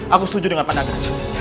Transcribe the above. aku setuju dengan pak nagaraja